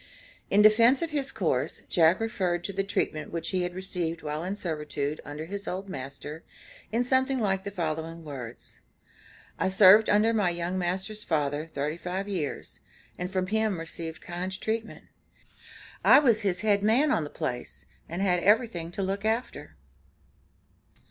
In defense of his course, Jack referred to the treatment which he had received while in servitude under his old master, in something like the following words: "I served under my young master's father, thirty five years, and from him received kind treatment. I was his head man on the place, and had everything to look after."